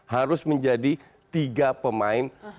harus menjadi tiga pemain